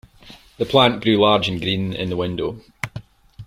The plant grew large and green in the window.